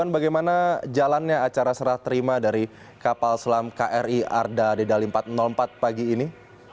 bagaimana jalannya acara serah terima dari kapal selam kri arda dedali empat ratus empat pagi ini